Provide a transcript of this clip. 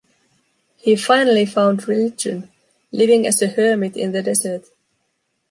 He finally found religion, living as a hermit in the desert.